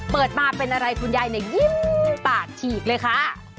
เปิดมาเป็นอะไรคุณยายเนี่ยยิ้มปากฉีกเลยค่ะ